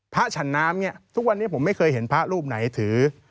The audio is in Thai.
ฉันน้ำเนี่ยทุกวันนี้ผมไม่เคยเห็นพระรูปไหนถือ